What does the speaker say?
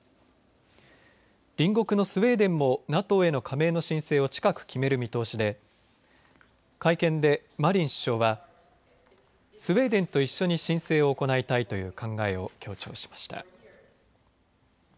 隣国のスウェーデンもＮＡＴＯへの加盟の申請を近く決める見通しで会見で、マリン首相はスウェーデンと一緒に申請を行いたいという考えを強調しました。